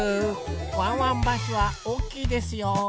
ワンワンバスはおおきいですよ！